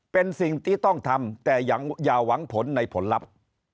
เป็นสิ่งที่ต้องทำแต่อย่าหวังผลในผลลัพธ์